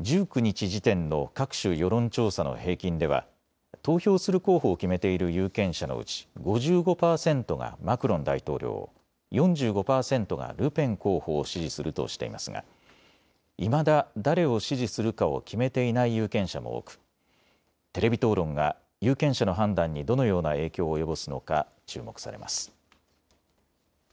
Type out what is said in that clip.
１９日時点の各種世論調査の平均では投票する候補を決めている有権者のうち５５％がマクロン大統領を、４５％がルペン候補を支持するとしていますがいまだ誰を支持するかを決めていない有権者も多くテレビ討論が有権者の判断にどのような影響を及ぼすのか注目されます。